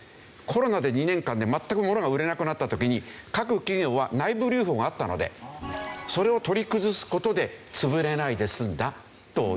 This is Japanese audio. コロナで２年間全くものが売れなくなった時に各企業は内部留保があったのでそれを取り崩す事で潰れないで済んだという。